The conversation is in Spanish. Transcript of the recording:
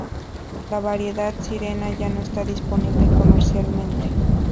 La variedad Sirena ya no está disponible comercialmente.